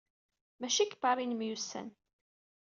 Maci deg Paris ay nemyussan.